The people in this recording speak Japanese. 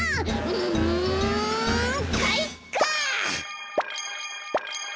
うんかいか！